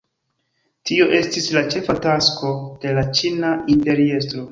Tio estis la ĉefa tasko de la ĉina imperiestro.